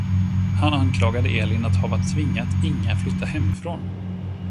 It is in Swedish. Han anklagade Elin att hava tvingat Inga flytta hemifrån.